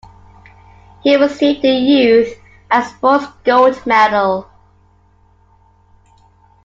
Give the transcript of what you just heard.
He received the Youth and Sports gold medal.